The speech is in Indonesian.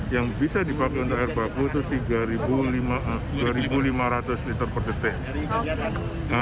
yang bisa dipakai untuk air baku itu dua lima ratus liter per detik